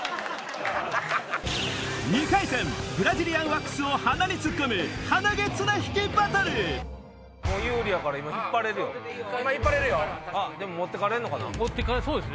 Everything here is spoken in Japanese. ２回戦ブラジリアンワックスを鼻に突っ込む有利やから引っ張れるよあっでも持ってかれんのかな。